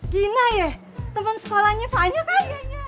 gini ya temen sekolahnya fanya kan